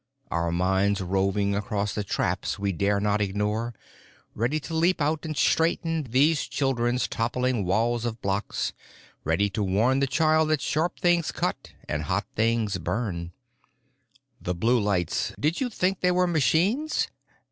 Our minds roving across the traps we dare not ignore, ready to leap out and straighten these children's toppling walls of blocks, ready to warn the child that sharp things cut and hot things burn. The blue lights—did you think they were machines?"